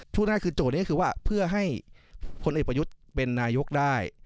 พูดง่ายคือโจทย์นี้คือว่าเพื่อให้คนเอกประยุทธิ์เป็นนายกได้